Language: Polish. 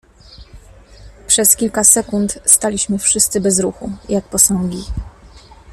"Przez kilka sekund staliśmy wszyscy bez ruchu, jak posągi."